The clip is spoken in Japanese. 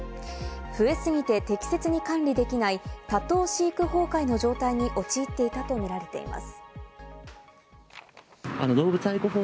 増えすぎて適切に管理できない多頭飼育崩壊の状態に陥っていたとみられています。